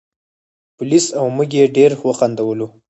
پولیس او موږ یې ډېر وخندولو.